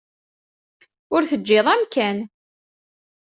Ur teǧǧiḍ amkan.